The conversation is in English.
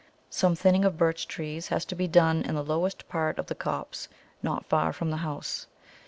_)] Some thinning of birch trees has to be done in the lowest part of the copse, not far from the house.